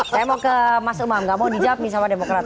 saya mau ke mas umam nggak mau dijawab nih sama demokrat